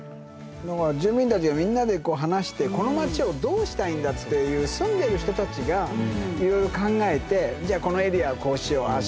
だから住民たちがみんなで話してこの町をどうしたいんだっていう住んでる人たちがいろいろ考えてじゃあこのエリアはこうしようああしよう